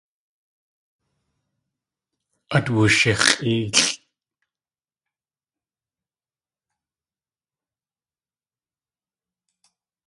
Át wushix̲ʼéelʼ.